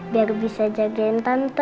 biar bisa jagain tante